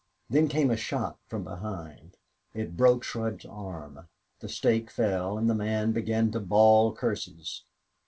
Then came a shot from behind. It broke Shurd's arm. The stake fell and the man began to bawl curses.